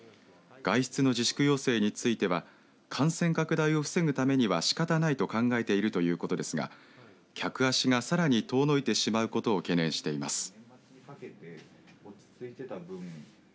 外出の自粛要請については感染拡大を防ぐためにはしかたないと考えているということですが客足がさらに遠のいてしまうことを懸念しています。